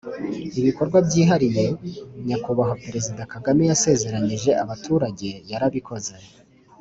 Ibikorwa byihariye Nyakubahwa Paul Kagame yasezeranyije abaturage yarabikoze.